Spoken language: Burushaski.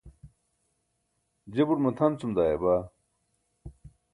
je buṭ matʰan cum dayaba